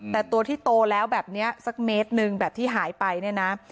แต่ตัวที่โตแล้วแบบนี้สักเมตรหนึ่งแบบที่หายไปเนี่ยนะ